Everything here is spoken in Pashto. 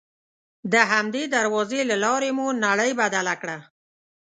د همدې دروازې له لارې مو نړۍ بدله کړه.